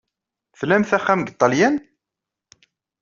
Tlamt axxam deg Ṭṭalyan?